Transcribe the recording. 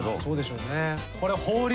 そうでしょうね。